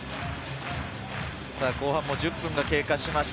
後半も１０分が経過しました。